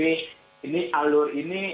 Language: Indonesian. ini alur ini